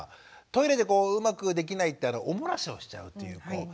トイレでうまくできないお漏らしをしちゃうという子。